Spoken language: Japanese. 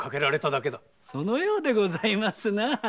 そのようでございますな。